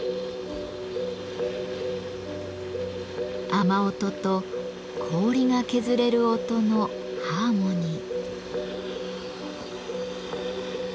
雨音と氷が削れる音のハーモニー。